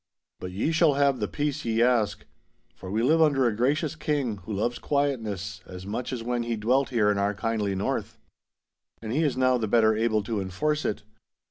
But ye shall have the peace ye ask. For we live under a gracious King who loves quietness as much as when he dwelt here in our kindly North. And he is now the better able to enforce it.